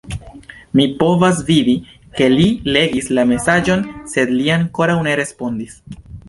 Mi povas vidi, ke li legis la mesaĝon, sed li ankoraŭ ne respondis.